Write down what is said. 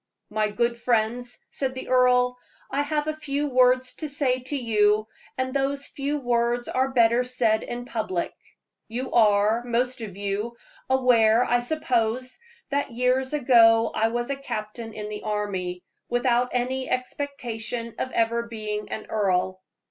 "My good friends," said the earl, "I have a few words to say to you, and those few words are better said in public. You are, most of you, aware, I suppose, that years ago I was a captain in the army, without any expectation of ever being an earl.